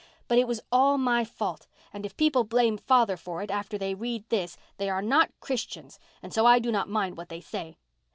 But it was all my fault, and if people blame father for it after they read this they are not Christians and so I do not mind what they say.